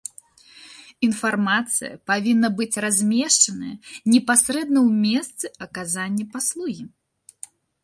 Інфармацыя павінна быць размешчаная непасрэдна ў месцы аказання паслугі.